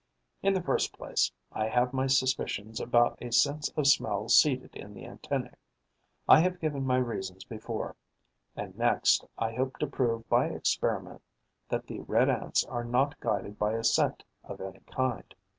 In the first place, I have my suspicions about a sense of smell seated in the antennae: I have given my reasons before; and, next, I hope to prove by experiment that the Red Ants are not guided by a scent of any kind.